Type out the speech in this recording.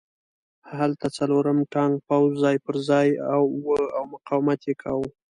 هلته څلورم ټانک پوځ ځای پرځای و او مقاومت یې کاوه